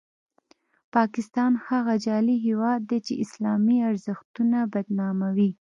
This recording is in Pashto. پاکستان هغه جعلي هیواد دی چې اسلامي ارزښتونه بدناموي.